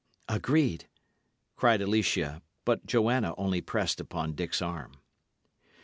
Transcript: "Agreed," cried Alicia; but Joanna only pressed upon Dick's arm.